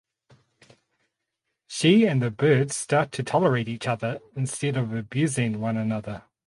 She and the bird start to tolerate each other instead of abusing one another.